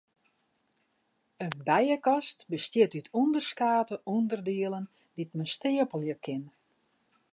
In bijekast bestiet út ûnderskate ûnderdielen dy't men steapelje kin.